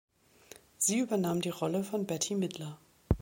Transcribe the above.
Sie übernahm die Rolle von Bette Midler.